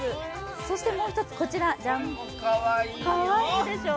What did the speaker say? そしてもう一つこちら、かわいいでしょう？